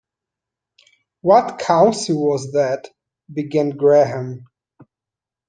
“What Council was that?” began Graham.